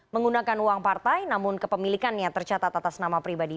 menggunakan uang partai namun kepemilikannya tercatat atas nama pribadi